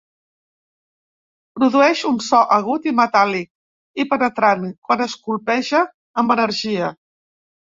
Produeix un so agut i metàl·lic i penetrant quan és colpejat amb energia.